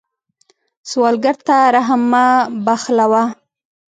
سوالګر ته رحم مه بخلوه